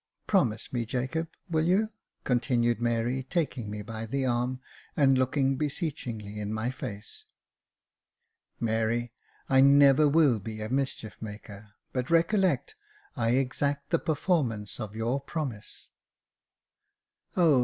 Promise me, Jacob, will you ?" continued Mary, taking me by the arm, and looking beseechingly in my face. " Mary, I never will be a mischief maker ; but recollect, I exact the performance of your promise." " Oh !